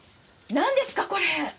なんですかこれ！？